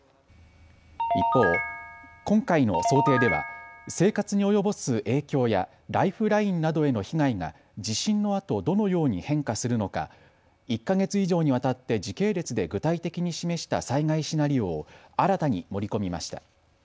一方、今回の想定では生活に及ぼす影響やライフラインなどへの被害が地震のあとどのように変化するのか１か月以上にわたって時系列で具体的に示した災害シナリオを新たに盛り込みました。